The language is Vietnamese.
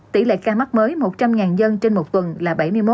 tỷ lệ ca mắc mới một trăm linh dân trên một tuần là bảy mươi một